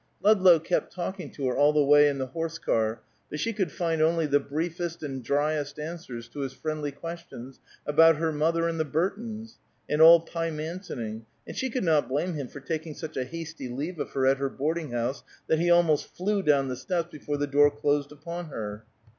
Ludlow kept talking to her all the way in the horse car, but she could find only the briefest and dryest answers to his friendly questions about her mother and the Burtons; and all Pymantoning; and she could not blame him for taking such a hasty leave of her at her boarding house that he almost flew down the steps before the door closed upon her.